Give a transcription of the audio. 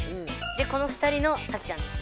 この２人のサキちゃんでした。